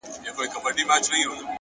چي مي ناپامه هغه تيت څراغ ته-